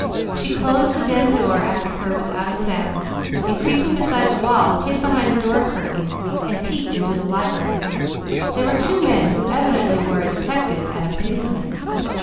She closed the den door after her without a sound, and creeping beside the wall, hid behind the door curtain and peeped into the library. There were two men who evidently were a detective and a policeman.